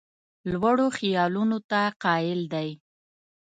لوړو خیالونو ته قایل دی.